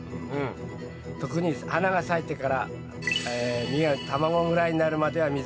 特に花が咲いてから実が卵ぐらいになるまでは水が必要なんだ。